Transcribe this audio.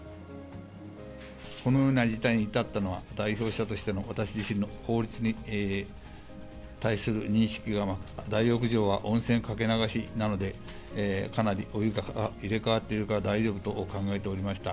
このような事態に至ったのは、代表者としての私自身の法律に対する認識が甘く、大浴場は温泉かけ流しなので、かなりお湯が入れ替わっているから大丈夫と考えておりました。